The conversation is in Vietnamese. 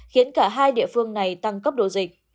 khiến cả hai địa phương này tăng cấp độ dịch